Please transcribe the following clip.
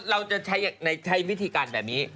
เราจะใช้วิธีการแบบนี้